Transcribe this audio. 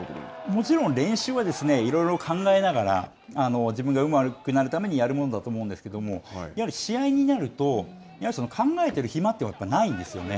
もちろん練習はいろいろ考えながら、自分がうまくなるためにやるものだと思うんですけれども、やはり試合になると、考えている暇というのがないんですよね。